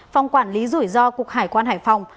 phòng quản lý rủi ro cục hải quan hải phòng